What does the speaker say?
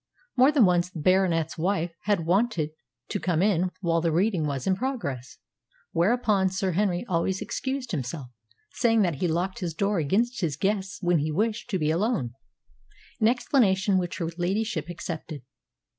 More than once the Baronet's wife had wanted to come in while the reading was in progress, whereupon Sir Henry always excused himself, saying that he locked his door against his guests when he wished to be alone, an explanation which her ladyship accepted.